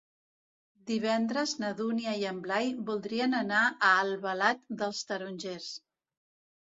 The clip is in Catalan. Divendres na Dúnia i en Blai voldrien anar a Albalat dels Tarongers.